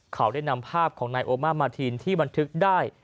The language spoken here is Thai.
เขาได้นำภาพของนายโอมามาทีนที่บันทึกได้